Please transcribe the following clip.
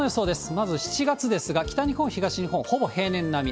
まず７月ですが、北日本、東日本、ほぼ平年並み。